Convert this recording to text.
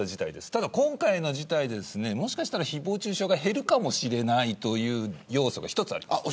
ただ今回の事態で、もしかしたら誹謗中傷が減るかもしれないという要素が一つあります。